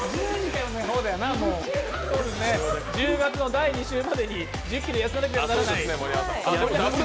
１０月の第２週までに１０ｋｇ痩せなければならない。